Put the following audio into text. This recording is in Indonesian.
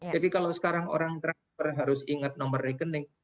jadi kalau sekarang orang transfer harus ingat nomor rekening